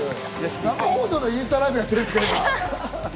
生放送で今、インスタライブやってるんですか？